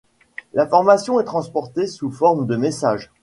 L'information est transportée sous forme de messages.